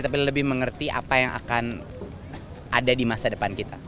tapi lebih mengerti apa yang akan ada di masa depan kita